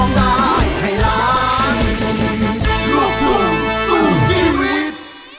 โรคทุ่มสูตรชีวิต